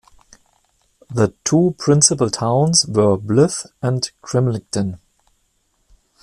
The two principal towns were Blyth and Cramlington.